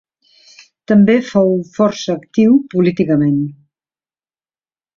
També fou força actiu políticament.